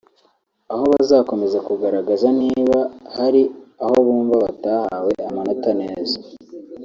aho bazakomeza kugaragaza niba hari aho bumva batahawe amanota neza